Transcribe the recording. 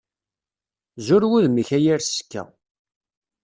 Zur wudem-ik a yir sseka.